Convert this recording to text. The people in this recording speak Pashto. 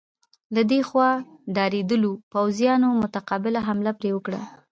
له دې خوا ډارېدلو پوځیانو متقابله حمله پرې وکړه.